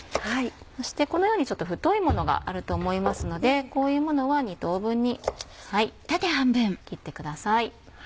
そしてこのように太いものがあると思いますのでこういうものは２等分に切ってください。